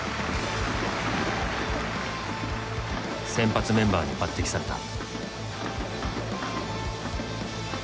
先発メンバーに抜てきされた。